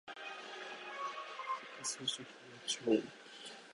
堺筋本町駅